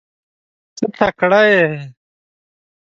ته تکړه یې .